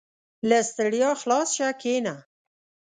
• له ستړیا خلاص شه، کښېنه.